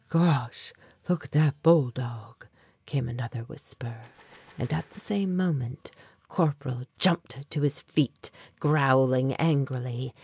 "Gosh! look at that bulldog!" came another whisper, and at the same moment Corporal jumped to his feet, growling angrily.